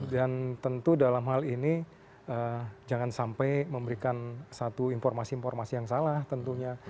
dan tentu dalam hal ini jangan sampai memberikan satu informasi informasi yang salah tentunya